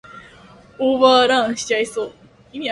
オーバーランしちゃいそう